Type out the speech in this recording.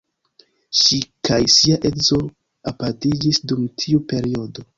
Ŝi kaj sia edzo apartiĝis dum tiu periodo.